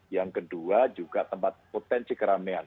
yang kedua juga tempat potensi keramaian